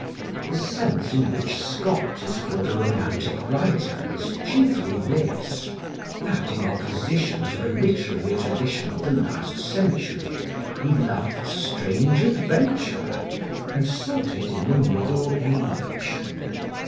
The sense in which Scott is called a romantic writer is chiefly this; that, in opposition to the literary tradition of the last century, he loved strange adventure, and sought it in the Middle Age.